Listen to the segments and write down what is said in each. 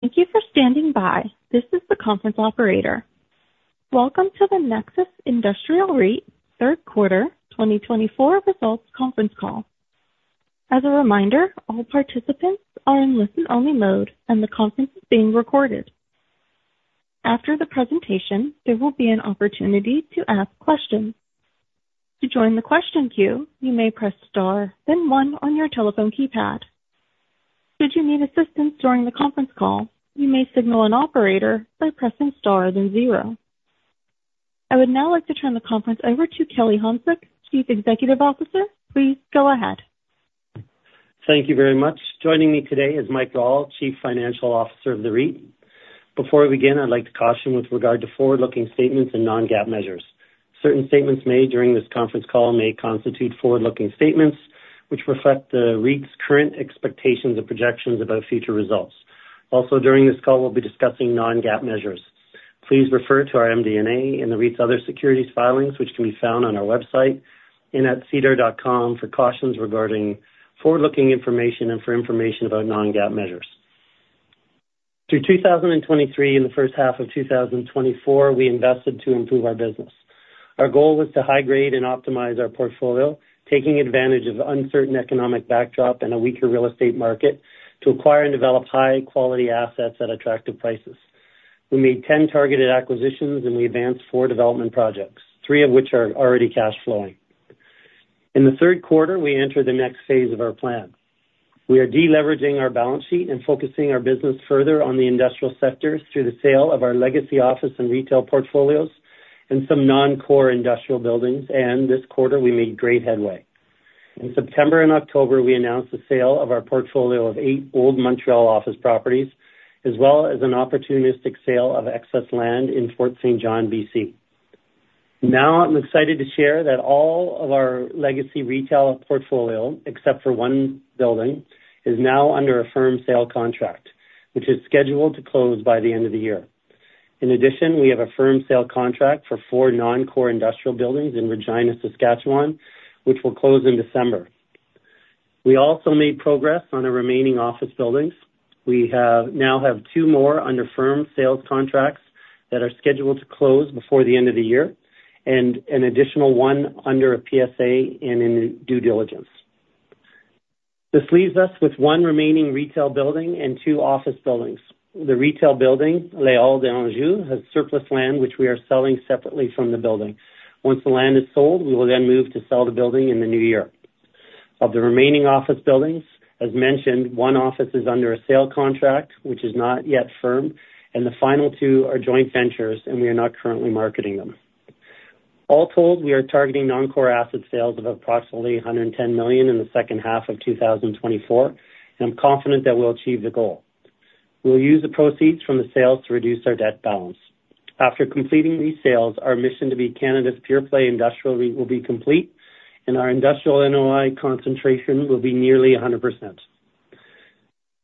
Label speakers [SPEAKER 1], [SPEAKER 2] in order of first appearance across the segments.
[SPEAKER 1] Thank you for standing by. This is the conference operator. Welcome to the Nexus Industrial REIT third quarter 2024 results conference call. As a reminder, all participants are in listen-only mode, and the conference is being recorded. After the presentation, there will be an opportunity to ask questions. To join the question queue, you may press star, then one on your telephone keypad. Should you need assistance during the conference call, you may signal an operator by pressing star then zero. I would now like to turn the conference over to Kelly Hanczyk, Chief Executive Officer. Please go ahead.
[SPEAKER 2] Thank you very much. Joining me today is Mike Rawle, Chief Financial Officer of the REIT. Before I begin, I'd like to caution with regard to forward-looking statements and non-GAAP measures. Certain statements made during this conference call may constitute forward-looking statements, which reflect the REIT's current expectations and projections about future results. Also, during this call, we'll be discussing non-GAAP measures. Please refer to our MD&A and the REIT's other securities filings, which can be found on our website SEDAR+, for cautions regarding forward-looking information and for information about non-GAAP measures. Through 2023 and the first half of 2024, we invested to improve our business. Our goal was to high-grade and optimize our portfolio, taking advantage of an uncertain economic backdrop and a weaker real estate market to acquire and develop high-quality assets at attractive prices. We made 10 targeted acquisitions, and we advanced four development projects, three of which are already cash flowing. In the third quarter, we entered the next phase of our plan. We are deleveraging our balance sheet and focusing our business further on the industrial sectors through the sale of our legacy office and retail portfolios and some non-core industrial buildings, and this quarter, we made great headway. In September and October, we announced the sale of our portfolio of eight old Montreal office properties, as well as an opportunistic sale of excess land in Fort St. John, BC. Now, I'm excited to share that all of our legacy retail portfolio, except for one building, is now under a firm sale contract, which is scheduled to close by the end of the year. In addition, we have a firm sale contract for four non-core industrial buildings in Regina, Saskatchewan, which will close in December. We also made progress on the remaining office buildings. We now have two more under firm sales contracts that are scheduled to close before the end of the year, and an additional one under a PSA and in due diligence. This leaves us with one remaining retail building and two office buildings. The retail building, L'Axe de l'Anjou, has surplus land, which we are selling separately from the building. Once the land is sold, we will then move to sell the building in the new year. Of the remaining office buildings, as mentioned, one office is under a sale contract, which is not yet firm, and the final two are joint ventures, and we are not currently marketing them. All told, we are targeting non-core asset sales of approximately 110 million in the second half of 2024, and I'm confident that we'll achieve the goal. We'll use the proceeds from the sales to reduce our debt balance. After completing these sales, our mission to be Canada's pure-play industrial REIT will be complete, and our industrial NOI concentration will be nearly 100%.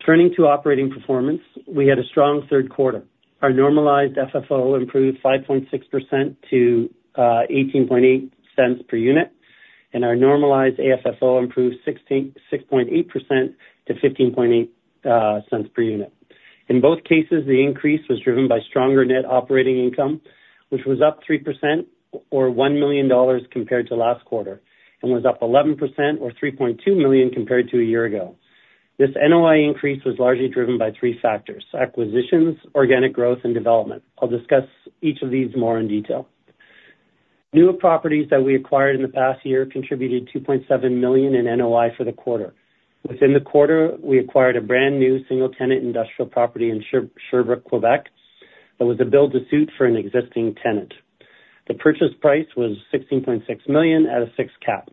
[SPEAKER 2] Turning to operating performance, we had a strong third quarter. Our normalized FFO improved 5.6% to 0.188 per unit, and our normalized AFFO improved 6.8% to 0.158 per unit. In both cases, the increase was driven by stronger net operating income, which was up 3% or 1 million dollars compared to last quarter, and was up 11% or 3.2 million compared to a year ago. This NOI increase was largely driven by three factors: acquisitions, organic growth, and development. I'll discuss each of these more in detail. New properties that we acquired in the past year contributed 2.7 million in NOI for the quarter. Within the quarter, we acquired a brand new single-tenant industrial property in Sherbrooke, Quebec, that was a build-to-suit for an existing tenant. The purchase price was 16.6 million at a six-cap.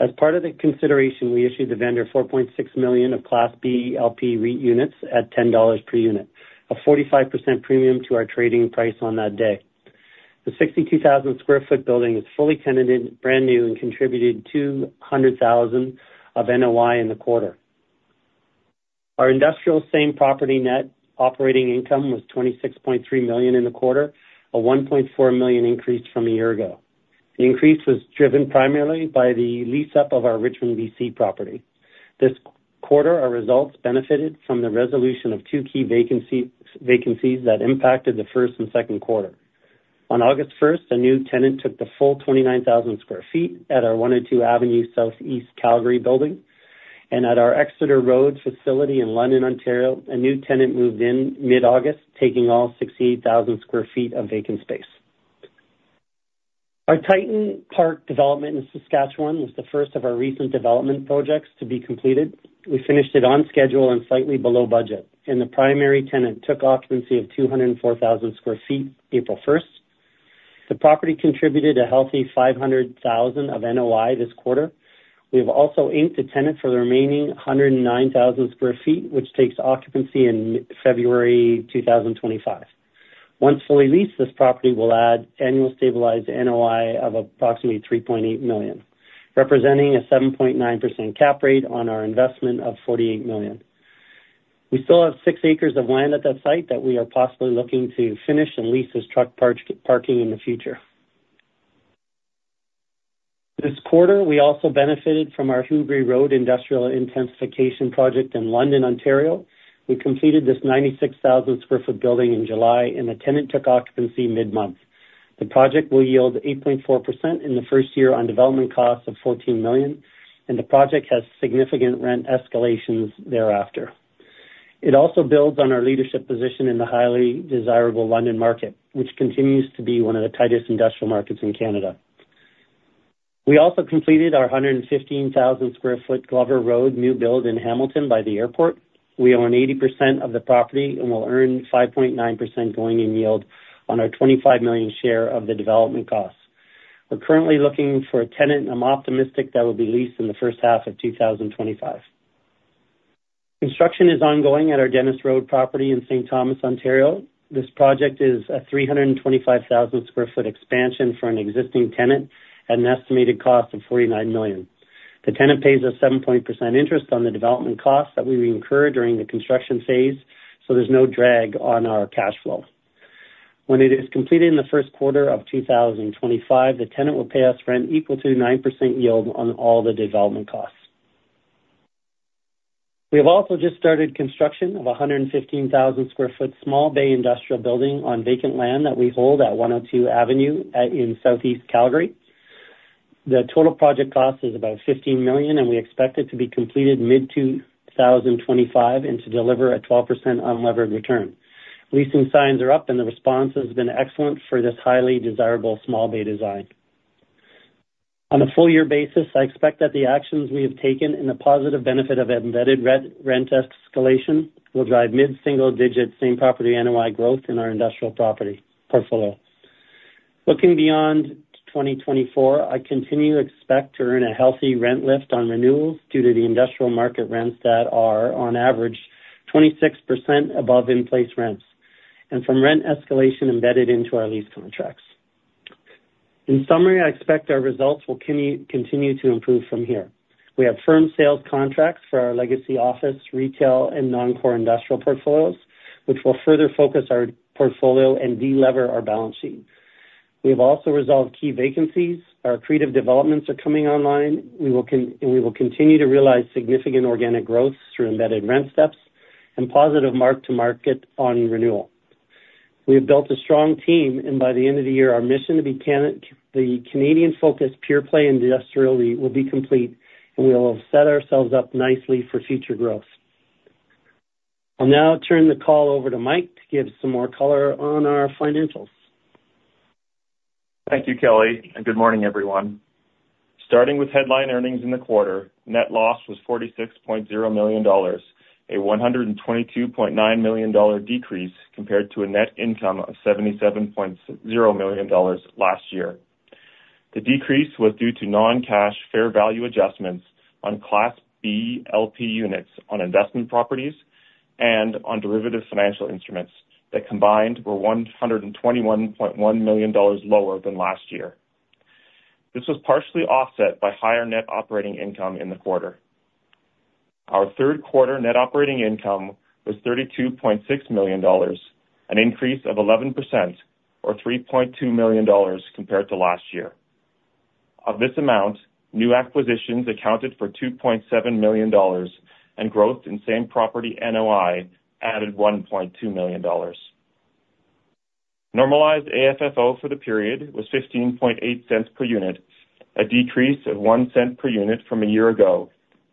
[SPEAKER 2] As part of the consideration, we issued the vendor 4.6 million of Class B LP REIT units at 10 dollars per unit, a 45% premium to our trading price on that day. The 62,000 sq ft building is fully tenanted, brand new, and contributed 200,000 of NOI in the quarter. Our industrial same-property net operating income was CAD 26.3 million in the quarter, a CAD 1.4 million increase from a year ago. The increase was driven primarily by the lease-up of our Richmond, BC property. This quarter, our results benefited from the resolution of two key vacancies that impacted the first and second quarter. On August 1st, a new tenant took the full 29,000 sq ft at our 102 Avenue Southeast Calgary building, and at our Exeter Road facility in London, Ontario, a new tenant moved in mid-August, taking all 68,000 sq ft of vacant space. Our Titan Park development in Saskatchewan was the first of our recent development projects to be completed. We finished it on schedule and slightly below budget, and the primary tenant took occupancy of 204,000 sq ft April 1st. The property contributed a healthy 500,000 of NOI this quarter. We have also inked a tenant for the remaining 109,000 sq ft, which takes occupancy in February 2025. Once fully leased, this property will add annual stabilized NOI of approximately 3.8 million, representing a 7.9% cap rate on our investment of 48 million. We still have six acres of land at that site that we are possibly looking to finish and lease as truck parking in the future. This quarter, we also benefited from our Hubrey Road industrial intensification project in London, Ontario. We completed this 96,000 sq ft building in July, and the tenant took occupancy mid-month. The project will yield 8.4% in the first year on development costs of 14 million, and the project has significant rent escalations thereafter. It also builds on our leadership position in the highly desirable London market, which continues to be one of the tightest industrial markets in Canada. We also completed our 115,000 sq ft Glover Road new build in Hamilton by the airport. We own 80% of the property and will earn 5.9% going-in yield on our 25 million share of the development costs. We're currently looking for a tenant, and I'm optimistic that will be leased in the first half of 2025. Construction is ongoing at our Dennis Road property in St. Thomas, Ontario. This project is a 325,000 sq ft expansion for an existing tenant at an estimated cost of 49 million. The tenant pays a 7.8% interest on the development costs that we incur during the construction phase, so there's no drag on our cash flow. When it is completed in the first quarter of 2025, the tenant will pay us rent equal to 9% yield on all the development costs. We have also just started construction of a 115,000 sq ft small bay Industrial building on vacant land that we hold at 102 Avenue Southeast, Calgary. The total project cost is about CAD 15 million, and we expect it to be completed mid-2025 and to deliver a 12% unleveraged return. Leasing signs are up, and the response has been excellent for this highly desirable small bay design. On a full-year basis, I expect that the actions we have taken and the positive benefit of embedded rent escalation will drive mid-single-digit same-property NOI growth in our industrial property portfolio. Looking beyond 2024, I continue to expect to earn a healthy rent lift on renewals due to the industrial market rents that are on average 26% above in-place rents and from rent escalation embedded into our lease contracts. In summary, I expect our results will continue to improve from here. We have firm sales contracts for our legacy office retail and non-core industrial portfolios, which will further focus our portfolio and delever our balance sheet. We have also resolved key vacancies. Our creative developments are coming online, and we will continue to realize significant organic growth through embedded rent steps and positive mark-to-market on renewal. We have built a strong team, and by the end of the year, our mission to be the Canadian-focused pure-play industrial REIT will be complete, and we will have set ourselves up nicely for future growth. I'll now turn the call over to Mike to give some more color on our financials.
[SPEAKER 3] Thank you, Kelly, and good morning, everyone. Starting with headline earnings in the quarter, net loss was 46.0 million dollars, a 122.9 million dollar decrease compared to a net income of 77.0 million dollars last year. The decrease was due to non-cash fair value adjustments on Class B LP units on investment properties and on derivative financial instruments that combined were 121.1 million dollars lower than last year. This was partially offset by higher net operating income in the quarter. Our third quarter net operating income was 32.6 million dollars, an increase of 11% or 3.2 million dollars compared to last year. Of this amount, new acquisitions accounted for 2.7 million dollars and growth in same-property NOI added 1.2 million dollars. Normalized AFFO for the period was 0.158 per unit, a decrease of 0.01 per unit from a year ago,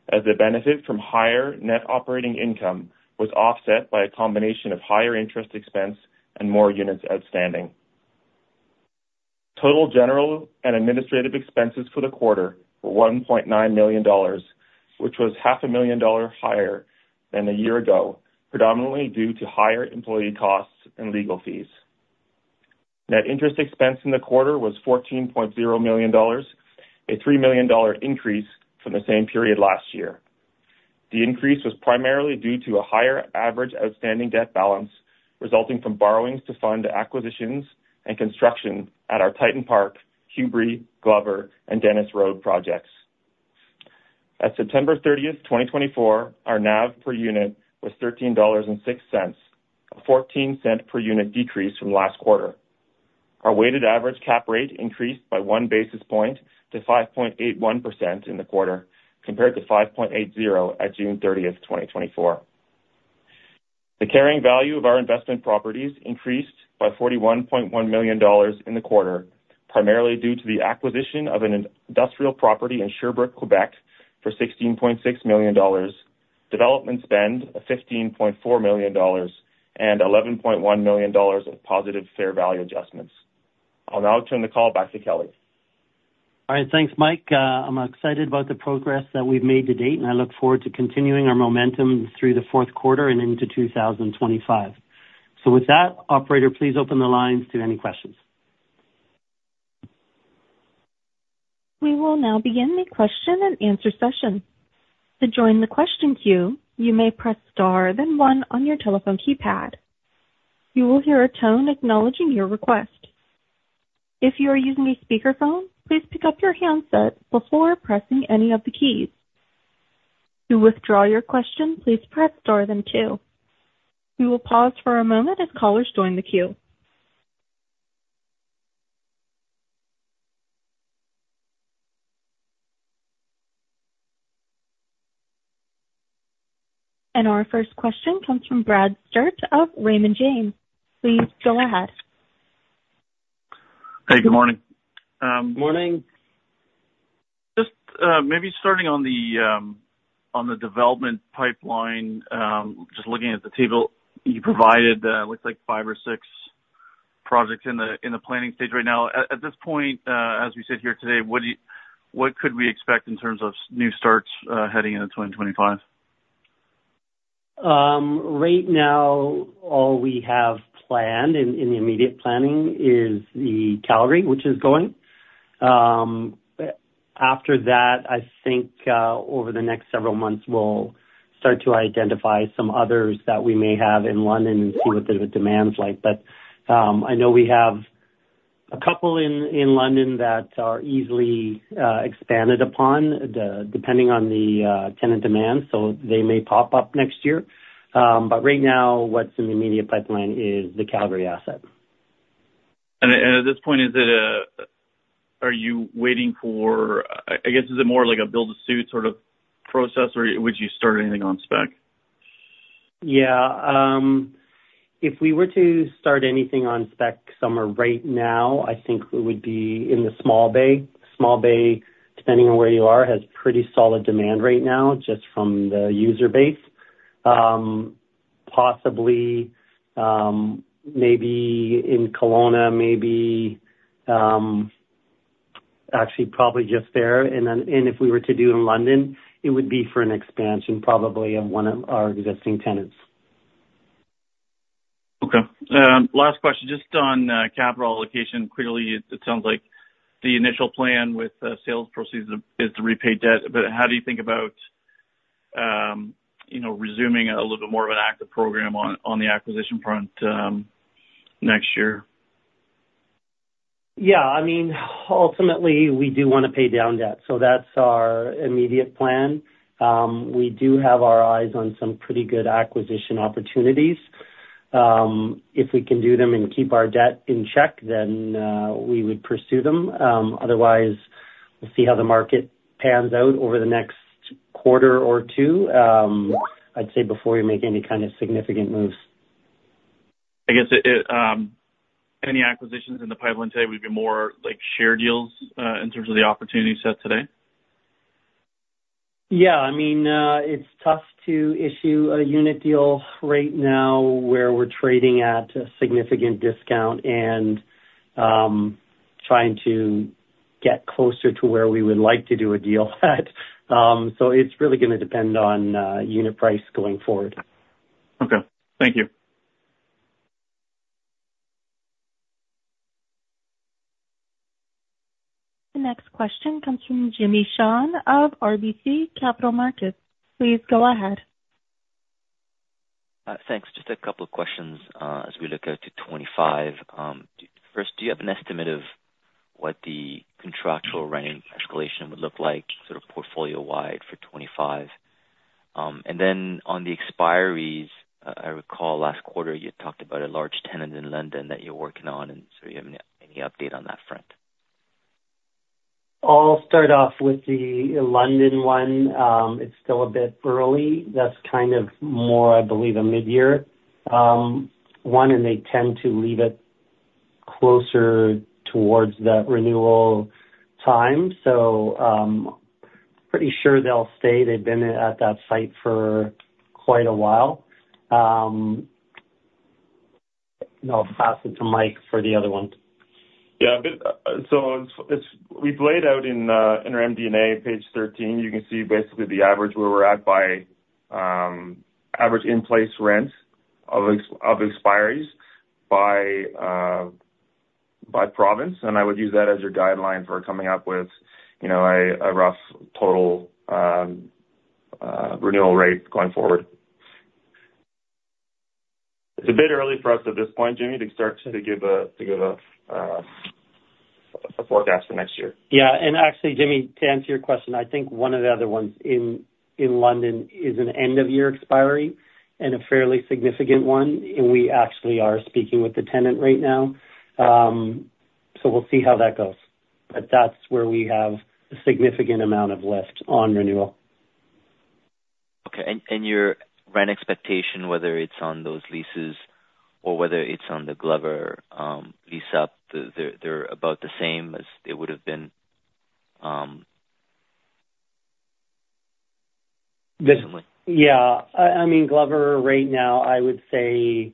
[SPEAKER 3] as the benefit from higher net operating income was offset by a combination of higher interest expense and more units outstanding. Total general and administrative expenses for the quarter were 1.9 million dollars, which was 500,000 dollars higher than a year ago, predominantly due to higher employee costs and legal fees. Net interest expense in the quarter was 14.0 million dollars, a 3 million dollar increase from the same period last year. The increase was primarily due to a higher average outstanding debt balance resulting from borrowings to fund acquisitions and construction at our Titan Park, Hubrey Road, Glover Road, and Dennis Road projects. At September 30th, 2024, our NAV per unit was 13.06 dollars, a 0.14 per unit decrease from last quarter. Our weighted average cap rate increased by one basis point to 5.81% in the quarter compared to 5.80% at June 30th, 2024. The carrying value of our investment properties increased by 41.1 million dollars in the quarter, primarily due to the acquisition of an industrial property in Sherbrooke, Quebec, for 16.6 million dollars, development spend of 15.4 million dollars, and 11.1 million dollars of positive fair value adjustments. I'll now turn the call back to Kelly.
[SPEAKER 2] All right. Thanks, Mike. I'm excited about the progress that we've made to date, and I look forward to continuing our momentum through the fourth quarter and into 2025. So with that, operator, please open the lines to any questions.
[SPEAKER 1] We will now begin the question-and-answer session. To join the question queue, you may press star, then one on your telephone keypad. You will hear a tone acknowledging your request. If you are using a speakerphone, please pick up your handset before pressing any of the keys. To withdraw your question, please press star, then two. We will pause for a moment as callers join the queue. And our first question comes from Brad Sturges of Raymond James. Please go ahead.
[SPEAKER 4] Hey, good morning.
[SPEAKER 2] Morning.
[SPEAKER 4] Just maybe starting on the development pipeline, just looking at the table you provided, it looks like five or six projects in the planning stage right now. At this point, as we sit here today, what could we expect in terms of new starts heading into 2025?
[SPEAKER 2] Right now, all we have planned in the immediate planning is the Calgary, which is going. After that, I think over the next several months, we'll start to identify some others that we may have in London and see what the demand's like. But I know we have a couple in London that are easily expanded upon depending on the tenant demand, so they may pop up next year. But right now, what's in the immediate pipeline is the Calgary asset.
[SPEAKER 4] At this point, are you waiting for, I guess, is it more like a build-to-suit sort of process, or would you start anything on spec?
[SPEAKER 2] Yeah. If we were to start anything on spec somewhere right now, I think it would be in the small bay. Small Bay, depending on where you are, has pretty solid demand right now just from the user base. Possibly maybe in Kelowna, maybe actually probably just there. And if we were to do in London, it would be for an expansion probably of one of our existing tenants.
[SPEAKER 4] Okay. Last question. Just on capital allocation, clearly, it sounds like the initial plan with sales proceeds is to repay debt. But how do you think about resuming a little bit more of an active program on the acquisition front next year?
[SPEAKER 2] Yeah. I mean, ultimately, we do want to pay down debt, so that's our immediate plan. We do have our eyes on some pretty good acquisition opportunities. If we can do them and keep our debt in check, then we would pursue them. Otherwise, we'll see how the market pans out over the next quarter or two, I'd say, before we make any kind of significant moves.
[SPEAKER 4] I guess any acquisitions in the pipeline today would be more share deals in terms of the opportunity set today?
[SPEAKER 2] Yeah. I mean, it's tough to issue a unit deal right now where we're trading at a significant discount and trying to get closer to where we would like to do a deal at. So it's really going to depend on unit price going forward.
[SPEAKER 4] Okay. Thank you.
[SPEAKER 1] The next question comes from Jimmy Shan of RBC Capital Markets. Please go ahead.
[SPEAKER 5] Thanks. Just a couple of questions as we look out to 2025. First, do you have an estimate of what the contractual rent escalation would look like sort of portfolio-wide for 2025? And then on the expiries, I recall last quarter you talked about a large tenant in London that you're working on, and so do you have any update on that front?
[SPEAKER 2] I'll start off with the London one. It's still a bit early. That's kind of more, I believe, a mid-year one, and they tend to leave it closer towards that renewal time. So pretty sure they'll stay. They've been at that site for quite a while. I'll pass it to Mike for the other one.
[SPEAKER 3] Yeah. So we've laid out in our MD&A page 13, you can see basically the average where we're at by average in-place rent of expiries by province. And I would use that as your guideline for coming up with a rough total renewal rate going forward. It's a bit early for us at this point, Jimmy, to start to give a forecast for next year.
[SPEAKER 2] Yeah, and actually, Jimmy, to answer your question, I think one of the other ones in London is an end-of-year expiry and a fairly significant one, and we actually are speaking with the tenant right now, so we'll see how that goes, but that's where we have a significant amount of lift on renewal.
[SPEAKER 5] Okay. And your rent expectation, whether it's on those leases or whether it's on the Glover lease-up, they're about the same as they would have been recently?
[SPEAKER 2] Yeah. I mean, Glover right now, I would say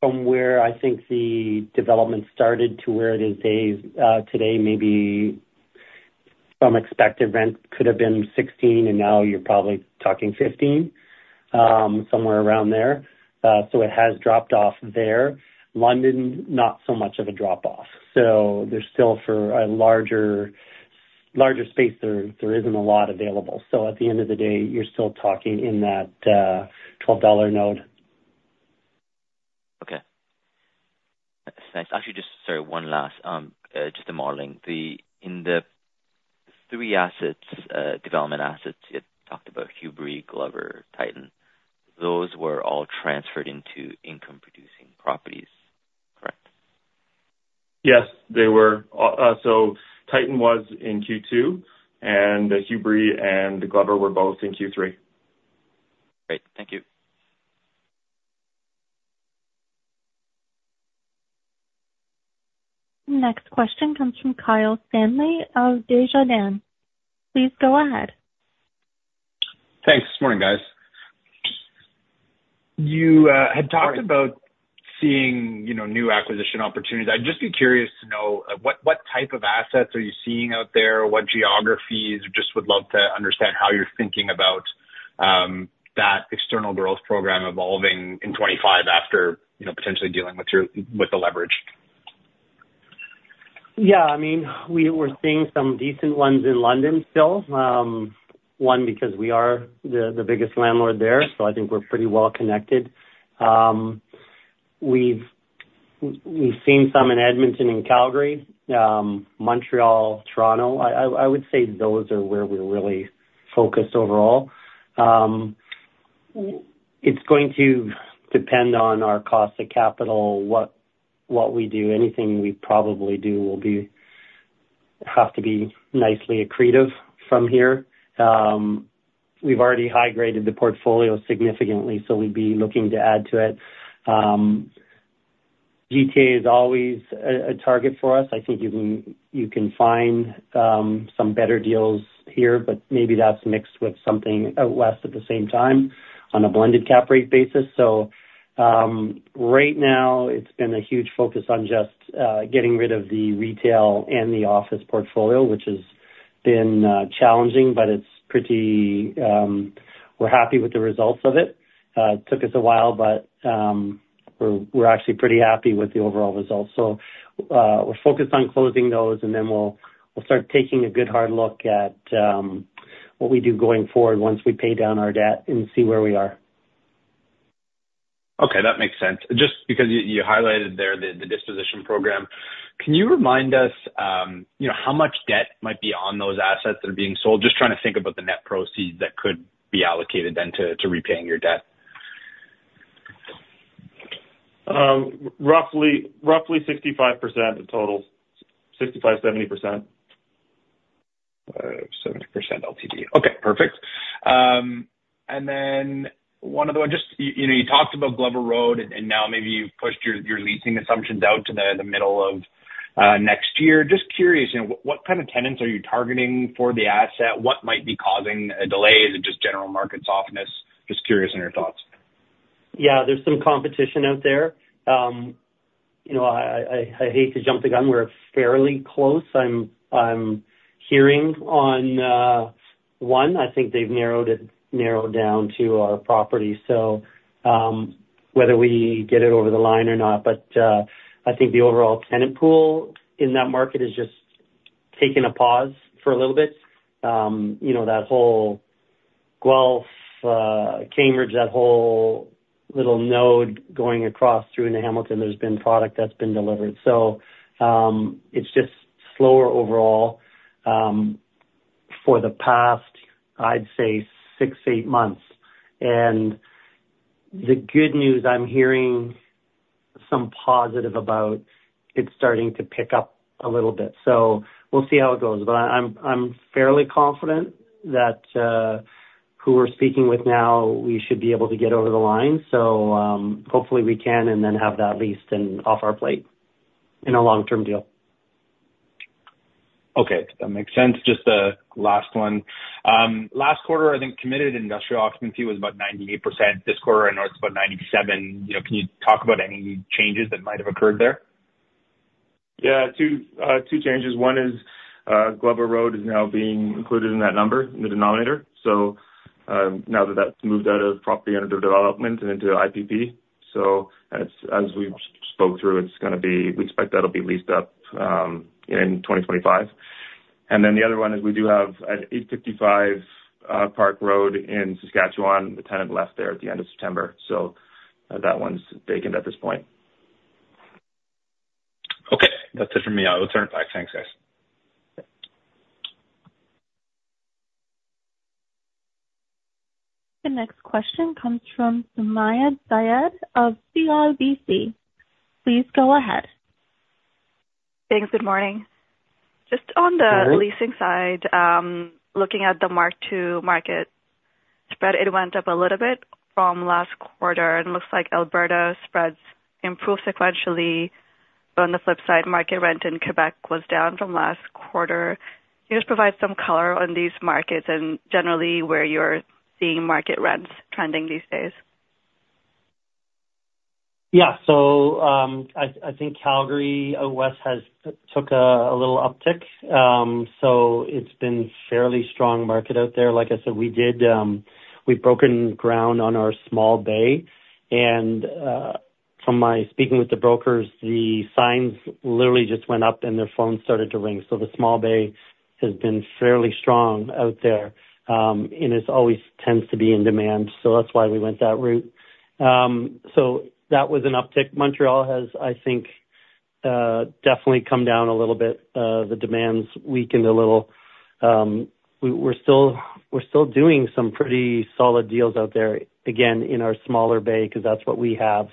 [SPEAKER 2] from where I think the development started to where it is today, maybe some expected rent could have been 16, and now you're probably talking 15, somewhere around there. So it has dropped off there. London, not so much of a drop-off. So there's still for a larger space, there isn't a lot available. So at the end of the day, you're still talking in that 12 dollar node.
[SPEAKER 5] Okay. Thanks. Actually, just sorry, one last, just a modeling. In the three assets, development assets, you talked about Hubrey, Glover, Titan. Those were all transferred into income-producing properties, correct?
[SPEAKER 2] Yes, they were. So Titan was in Q2, and Hubrey and Glover were both in Q3.
[SPEAKER 5] Great. Thank you.
[SPEAKER 1] Next question comes from Kyle Stanley of Desjardins. Please go ahead.
[SPEAKER 6] Thanks. Good morning, guys. You had talked about seeing new acquisition opportunities. I'd just be curious to know what type of assets are you seeing out there? What geographies? Just would love to understand how you're thinking about that external growth program evolving in 2025 after potentially dealing with the leverage.
[SPEAKER 2] Yeah. I mean, we're seeing some decent ones in London still, one because we are the biggest landlord there, so I think we're pretty well connected. We've seen some in Edmonton and Calgary, Montreal, Toronto. I would say those are where we're really focused overall. It's going to depend on our cost of capital, what we do. Anything we probably do will have to be nicely accretive from here. We've already high-graded the portfolio significantly, so we'd be looking to add to it. GTA is always a target for us. I think you can find some better deals here, but maybe that's mixed with something else at the same time on a blended cap rate basis. So right now, it's been a huge focus on just getting rid of the retail and the office portfolio, which has been challenging, but we're happy with the results of it. It took us a while, but we're actually pretty happy with the overall results. So we're focused on closing those, and then we'll start taking a good hard look at what we do going forward once we pay down our debt and see where we are.
[SPEAKER 6] Okay. That makes sense. Just because you highlighted there the disposition program, can you remind us how much debt might be on those assets that are being sold? Just trying to think about the net proceeds that could be allocated then to repaying your debt.
[SPEAKER 2] Roughly 65% of total, 65%-70%. 70% LTV.
[SPEAKER 6] Okay. Perfect. And then one other one. You talked about Glover Road, and now maybe you've pushed your leasing assumptions out to the middle of next year. Just curious, what kind of tenants are you targeting for the asset? What might be causing a delay? Is it just general market softness? Just curious on your thoughts.
[SPEAKER 2] Yeah. There's some competition out there. I hate to jump the gun. We're fairly close. I'm hearing on one. I think they've narrowed down to our property, so whether we get it over the line or not. But I think the overall tenant pool in that market has just taken a pause for a little bit. That whole Guelph, Cambridge, that whole little node going across through into Hamilton, there's been product that's been delivered. So it's just slower overall for the past, I'd say, six, eight months. And the good news I'm hearing some positive about, it's starting to pick up a little bit. So we'll see how it goes. But I'm fairly confident that who we're speaking with now, we should be able to get over the line. So hopefully, we can and then have that leased and off our plate in a long-term deal.
[SPEAKER 6] Okay. That makes sense. Just the last one. Last quarter, I think committed industrial occupancy was about 98%. This quarter, I know it's about 97%. Can you talk about any changes that might have occurred there?
[SPEAKER 2] Yeah. Two changes. One is Glover Road is now being included in that number, in the denominator. So now that that's moved out of property under development and into IPP. So as we spoke through, it's going to be we expect that'll be leased up in 2025. And then the other one is we do have at 855 Park Road in Saskatchewan, the tenant left there at the end of September. So that one's vacant at this point.
[SPEAKER 6] Okay. That's it from me. I will turn it back. Thanks, guys.
[SPEAKER 1] The next question comes from Sumayya Syed of CIBC. Please go ahead.
[SPEAKER 7] Thanks. Good morning. Just on the leasing side, looking at the mark-to-market spread, it went up a little bit from last quarter. And it looks like Alberta spreads improved sequentially. But on the flip side, market rent in Quebec was down from last quarter. Can you just provide some color on these markets and generally where you're seeing market rents trending these days?
[SPEAKER 2] Yeah. So I think Calgary West took a little uptick. So it's been a fairly strong market out there. Like I said, we've broken ground on our small bay. And from my speaking with the brokers, the signs literally just went up and their phones started to ring. So the small bay has been fairly strong out there. And it always tends to be in demand. So that's why we went that route. So that was an uptick. Montreal has, I think, definitely come down a little bit. The demand's weakened a little. We're still doing some pretty solid deals out there, again, in our smaller bay because that's what we have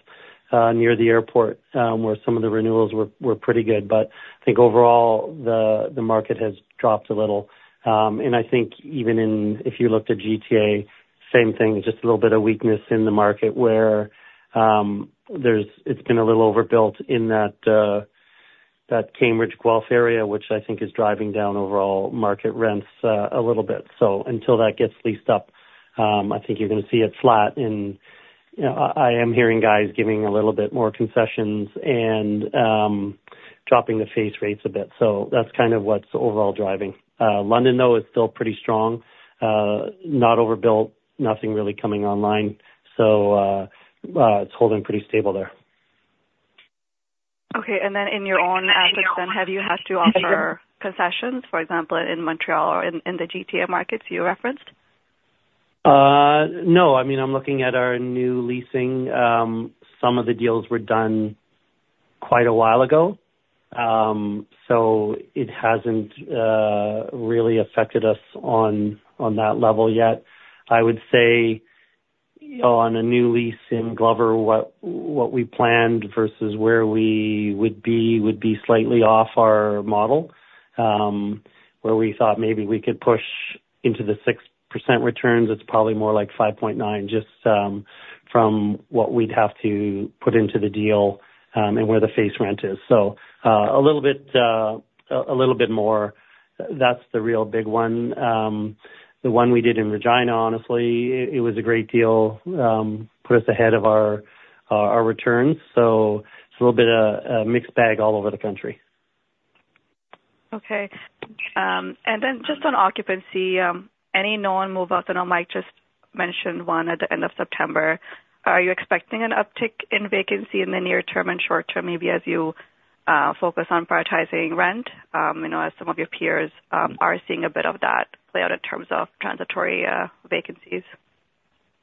[SPEAKER 2] near the airport where some of the renewals were pretty good. But I think overall, the market has dropped a little. And I think even if you looked at GTA, same thing, just a little bit of weakness in the market where it's been a little overbuilt in that Cambridge Guelph area, which I think is driving down overall market rents a little bit. So until that gets leased up, I think you're going to see it flat. And I am hearing guys giving a little bit more concessions and dropping the face rates a bit. So that's kind of what's overall driving. London, though, is still pretty strong. Not overbuilt, nothing really coming online. So it's holding pretty stable there.
[SPEAKER 7] Okay, and then in your own assets, have you had to offer concessions, for example, in Montreal or in the GTA markets you referenced?
[SPEAKER 2] No. I mean, I'm looking at our new leasing. Some of the deals were done quite a while ago. So it hasn't really affected us on that level yet. I would say on a new lease in Glover, what we planned versus where we would be would be slightly off our model. Where we thought maybe we could push into the 6% returns, it's probably more like 5.9% just from what we'd have to put into the deal and where the face rent is. So a little bit more. That's the real big one. The one we did in Regina, honestly, it was a great deal. Put us ahead of our returns. So it's a little bit of a mixed bag all over the country.
[SPEAKER 7] Okay. And then just on occupancy, any known move-ups? I know Mike just mentioned one at the end of September. Are you expecting an uptick in vacancy in the near term and short term, maybe as you focus on prioritizing rent? I know some of your peers are seeing a bit of that play out in terms of transitory vacancies.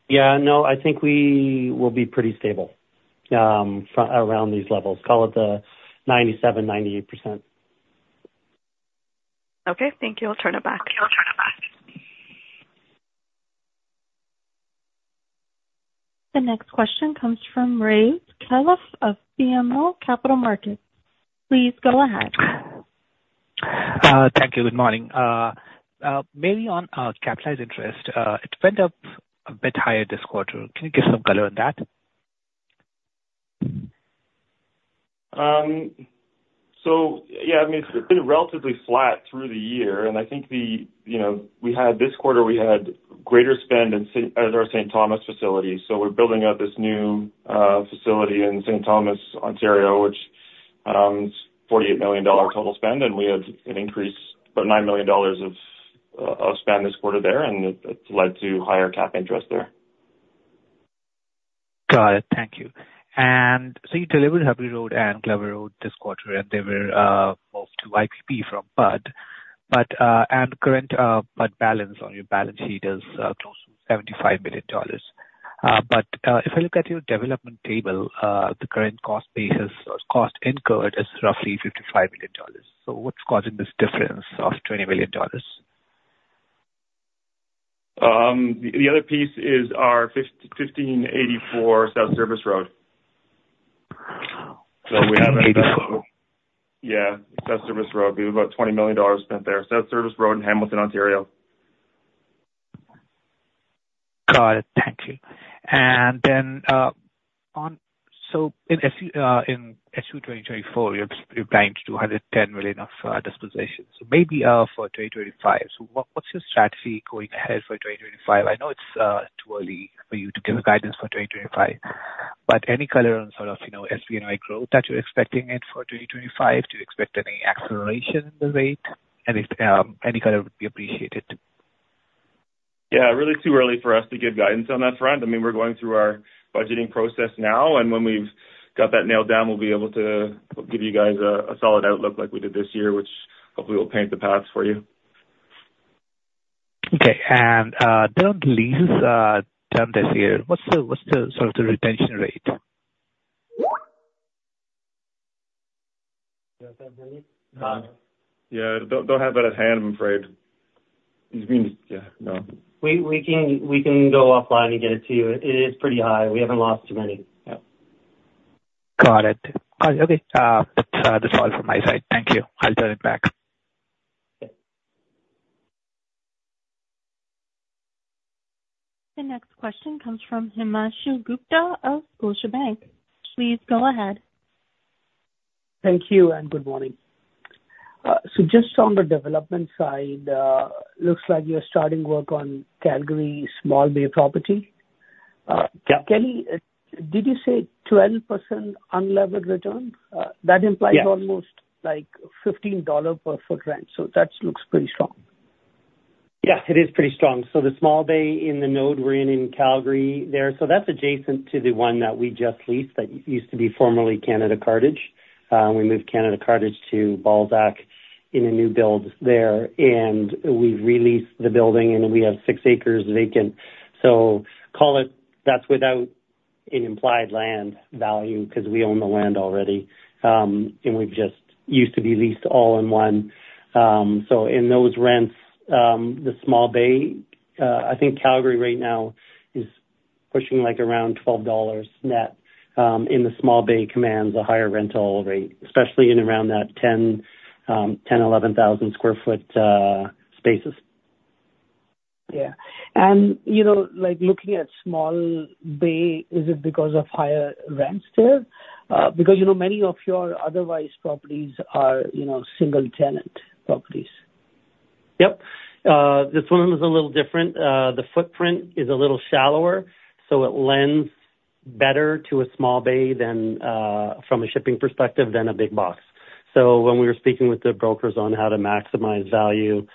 [SPEAKER 2] Yeah. No, I think we will be pretty stable around these levels. Call it the 97%-98%.
[SPEAKER 7] Okay. Thank you. I'll turn it back. Okay. I'll turn it back.
[SPEAKER 1] The next question comes from Ray Kharrazi of BMO Capital Markets. Please go ahead.
[SPEAKER 7] Thank you. Good morning. Maybe on capitalized interest, it went up a bit higher this quarter. Can you give some color on that?
[SPEAKER 4] So yeah, I mean, it's been relatively flat through the year. And I think we had this quarter, we had greater spend at our St. Thomas facility. So we're building up this new facility in St. Thomas, Ontario, which is CAD 48 million total spend. And we had an increase of 9 million dollars of spend this quarter there. And it led to higher cap interest there.
[SPEAKER 7] Got it. Thank you. And so you delivered Hubrey Road and Glover Road this quarter, and they were moved to IPP from PUD. And current PUD balance on your balance sheet is close to 75 million dollars. But if I look at your development table, the current cost basis or cost incurred is roughly 55 million dollars. So what's causing this difference of 20 million dollars?
[SPEAKER 2] The other piece is our 1584 South Service Road, so we have a.
[SPEAKER 7] 1584.
[SPEAKER 2] Yeah. South Service Road. We have about 20 million dollars spent there. South Service Road in Hamilton, Ontario.
[SPEAKER 7] Got it. Thank you. And then in Q2 2024, you're planning to do 110 million of disposition. So maybe for 2025. So what's your strategy going ahead for 2025? I know it's too early for you to give guidance for 2025. But any color on sort of same-store NOI growth that you're expecting in for 2025? Do you expect any acceleration in the rate? Any color would be appreciated.
[SPEAKER 2] Yeah. Really too early for us to give guidance on that front. I mean, we're going through our budgeting process now, and when we've got that nailed down, we'll be able to give you guys a solid outlook like we did this year, which hopefully will paint the path for you.
[SPEAKER 7] Okay. And the leases done this year, what's the sort of retention rate?
[SPEAKER 3] Do you have that, Brad?
[SPEAKER 2] Yeah. Don't have it at hand, I'm afraid. You mean yeah. No.
[SPEAKER 3] We can go offline and get it to you. It is pretty high. We haven't lost too many.
[SPEAKER 2] Yeah.
[SPEAKER 7] Got it. Okay. That's all from my side. Thank you. I'll turn it back.
[SPEAKER 3] Okay.
[SPEAKER 1] The next question comes from Himanshu Gupta of Scotiabank. Please go ahead.
[SPEAKER 8] Thank you and good morning. So just on the development side, looks like you're starting work on Calgary small bay property. Kelly, did you say 12% unlevered return? That implies almost like 15 dollar per foot rent. So that looks pretty strong.
[SPEAKER 2] Yeah. It is pretty strong. So the small bay in the node we're in in Calgary there. So that's adjacent to the one that we just leased that used to be formerly Canada Cartage. We moved Canada Cartage to Balzac in a new build there. And we've re-leased the building, and we have six acres vacant. So call it that's without an implied land value because we own the land already. And we've just used to be leased all in one. So in those rents, the small bay, I think Calgary right now is pushing like around 12 dollars net in the small bay commands a higher rental rate, especially in around that 10-11,000 sq ft spaces.
[SPEAKER 8] Yeah. And looking at small bay, is it because of higher rents there? Because many of your otherwise properties are single-tenant properties.
[SPEAKER 3] Yep. This one is a little different. The footprint is a little shallower. So it lends better to a small bay from a shipping perspective than a big box. So when we were speaking with the brokers on how to maximize value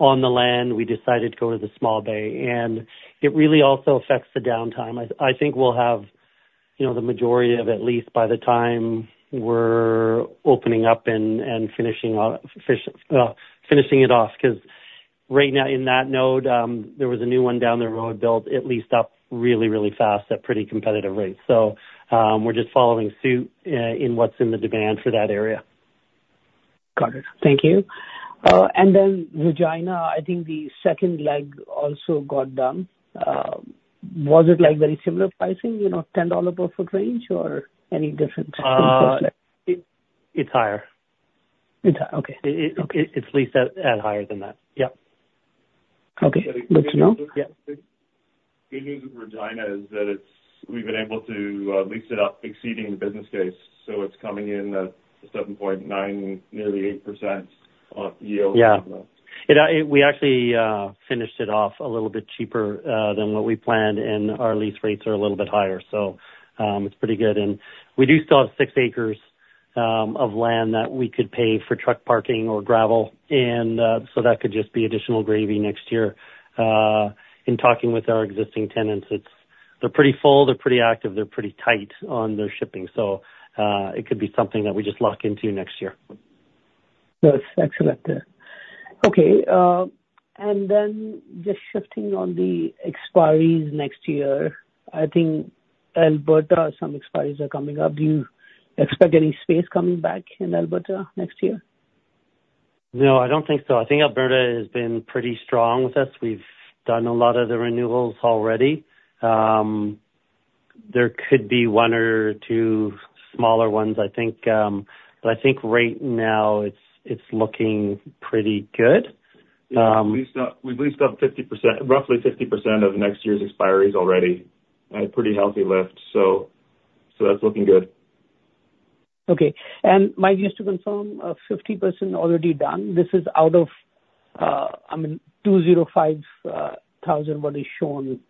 [SPEAKER 3] on the land, we decided to go to the small bay. And it really also affects the downtime. I think we'll have the majority of it leased by the time we're opening up and finishing it off. Because right now in that node, there was a new one down the road built, it leased up really, really fast at pretty competitive rates. So we're just following suit in what's in the demand for that area.
[SPEAKER 8] Got it. Thank you. And then Regina, I think the second leg also got done. Was it very similar pricing, 10 dollar per foot range or any different?
[SPEAKER 3] It's higher.
[SPEAKER 8] It's higher. Okay.
[SPEAKER 3] It's leased at higher than that. Yep.
[SPEAKER 8] Okay. Good to know.
[SPEAKER 3] Yeah.
[SPEAKER 2] Good news with Regina is that we've been able to lease it up exceeding the business case. So it's coming in at 7.9%, nearly 8% yield.
[SPEAKER 3] Yeah. We actually finished it off a little bit cheaper than what we planned, and our lease rates are a little bit higher. So it's pretty good, and we do still have six acres of land that we could pave for truck parking or gravel, and so that could just be additional gravy next year. In talking with our existing tenants, they're pretty full, they're pretty active, they're pretty tight on their shipping, so it could be something that we just lock into next year.
[SPEAKER 8] That's excellent. Okay. And then just shifting on the expiries next year, I think Alberta some expiries are coming up. Do you expect any space coming back in Alberta next year?
[SPEAKER 3] No, I don't think so. I think Alberta has been pretty strong with us. We've done a lot of the renewals already. There could be one or two smaller ones, I think. But I think right now it's looking pretty good.
[SPEAKER 2] We've leased up roughly 50% of next year's expiries already. Pretty healthy lift. So that's looking good.
[SPEAKER 8] Okay. And Mike, just to confirm, 50% already done. This is out of, I mean, 205,000 what is shown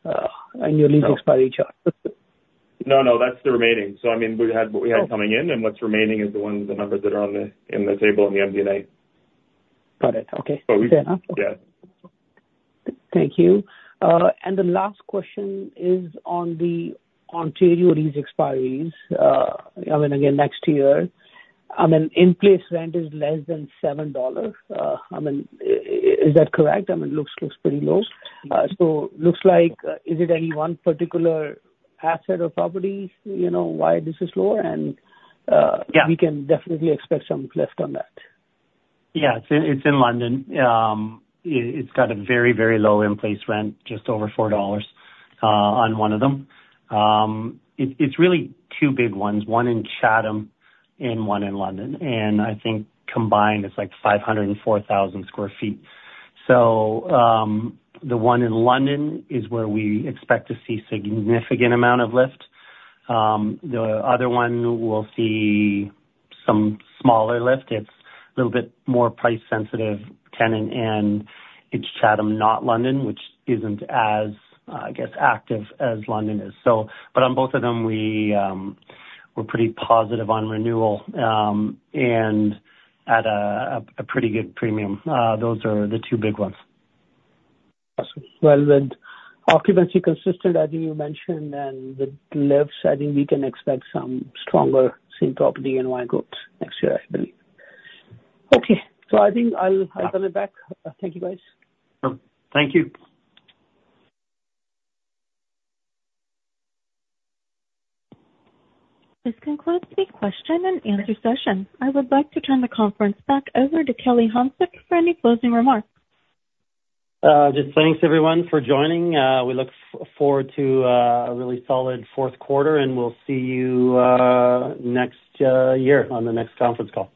[SPEAKER 8] in your lease expiry chart.
[SPEAKER 3] No, no. That's the remaining. So I mean, we had what we had coming in, and what's remaining is the numbers that are on the table in the MD&A.
[SPEAKER 8] Got it. Okay. Yeah. Thank you. And the last question is on the Ontario lease expiries. I mean, again, next year. I mean, in place rent is less than 7 dollars. I mean, is that correct? I mean, it looks pretty low. So looks like is it any one particular asset or property why this is lower? And we can definitely expect some lift on that.
[SPEAKER 3] Yeah. It's in London. It's got a very, very low in place rent, just over 4 dollars on one of them. It's really two big ones. One in Chatham and one in London. And I think combined, it's like 504,000 sq ft. So the one in London is where we expect to see a significant amount of lift. The other one we'll see some smaller lift. It's a little bit more price-sensitive tenant. And it's Chatham, not London, which isn't as, I guess, active as London is. But on both of them, we're pretty positive on renewal and at a pretty good premium. Those are the two big ones.
[SPEAKER 8] Awesome. Well, with occupancy consistent, as you mentioned, and with lifts, I think we can expect some stronger same-property NOI next year, I believe.
[SPEAKER 1] Okay.
[SPEAKER 8] So I think I'll turn it back. Thank you, guys.
[SPEAKER 3] Thank you.
[SPEAKER 1] This concludes the question and answer session. I would like to turn the conference back over to Kelly Hanczyk for any closing remarks.
[SPEAKER 2] Just thanks, everyone, for joining. We look forward to a really solid fourth quarter, and we'll see you next year on the next conference call.